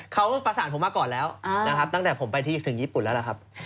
เขาประสานผมมาก่อนแล้วนะครับตั้งแต่ผมไปที่ถึงญี่ปุ่นแล้วล่ะครับ